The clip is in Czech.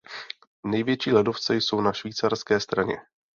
Největší ledovce jsou na švýcarské straně.